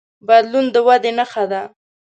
بدلون د ودې نښه ده.